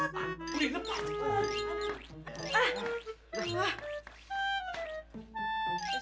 boleh lepas pak